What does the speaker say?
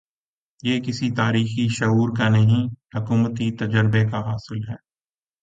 یہ کسی تاریخی شعور کا نہیں، حکومتی تجربے کا حاصل ہے۔